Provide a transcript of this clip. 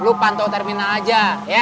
lu pantau terminal aja